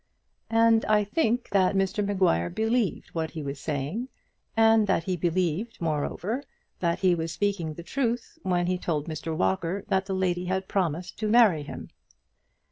And I think that Mr Maguire believed what he was saying, and that he believed, moreover, that he was speaking the truth when he told Mr Walker that the lady had promised to marry him.